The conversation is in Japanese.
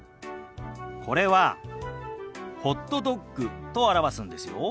これは「ホットドッグ」と表すんですよ。